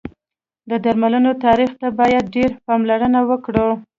د درملو تاریخ ته باید ډېر پاملرنه وکړی